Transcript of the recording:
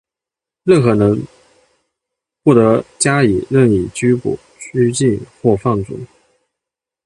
任何人不得加以任意逮捕、拘禁或放逐。